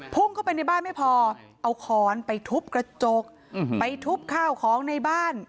พุ่งเข้าไปในบ้านไม่พอเอาขอนไปทุบกระจกไปทุบข้าวของในบ้าน